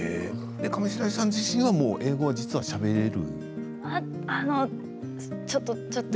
上白石さん自身も英語をしゃべれる？